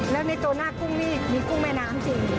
แล้วในตัวหน้ากุ้งนี่มีกุ้งแม่น้ำจริง